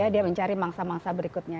dia mencari mangsa mangsa berikutnya